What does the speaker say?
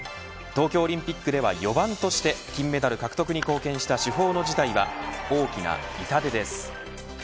東京オリンピックでは４番として金メダル獲得に貢献した主砲の辞退は大きな痛手です。